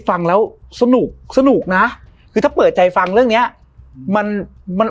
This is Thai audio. ฟังแล้วสนุกสนุกนะคือถ้าเปิดใจฟังเรื่องเนี้ยมันมัน